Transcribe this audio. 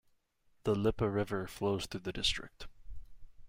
The Lippe River flows through the district.